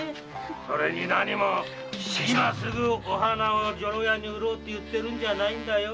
それに何も今すぐお花を女郎屋に売ろうっていうんじゃないんだよ。